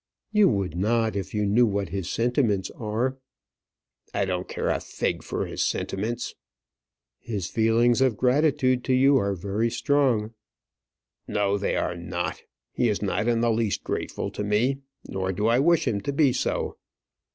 "You would not if you knew what his sentiments are." "I don't care a fig for his sentiments." "His feelings of gratitude to you are very strong." "No, they are not. He is not in the least grateful to me, nor do I wish him to be so.